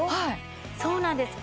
そうなんです。